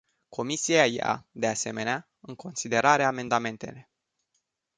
Comisia ia, de asemenea, în considerare amendamentele.